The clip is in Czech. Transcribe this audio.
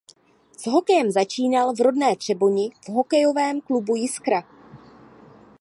S hokejem začínal v rodné Třeboni v hokejovém klubu Jiskra.